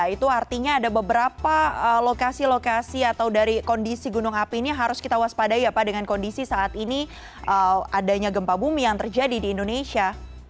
itu artinya ada beberapa lokasi lokasi atau dari kondisi gunung api ini harus kita waspadai ya pak dengan kondisi saat ini adanya gempa bumi yang terjadi di indonesia